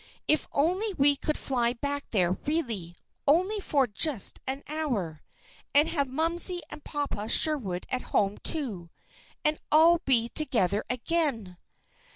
If only we could fly back there, really! Only for just an hour! And have Momsey and Papa Sherwood at home, too, and all be together again!"